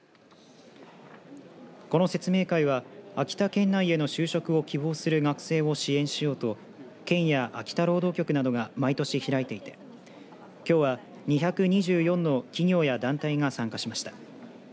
この説明会は秋田県内への就職を希望する学生を支援しようと県や秋田労働局などが毎年開いていてきょうは２２４の企業や団体が参加しました。